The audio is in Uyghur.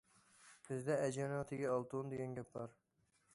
بىزدە ئەجىرنىڭ تېگى ئالتۇن، دېگەن گەپ بار.